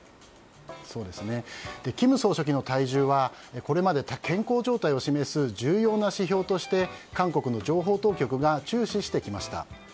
金総書記の体重はこれまで健康状態を示す重要な指標として韓国の情報当局が注視してきました。